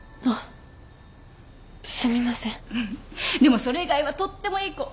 でもそれ以外はとってもいい子。